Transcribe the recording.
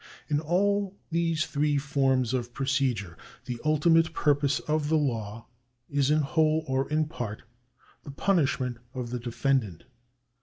In all these three forms of procedure the ultimate purpose of the law is in whole or in part the punishment of the defendant.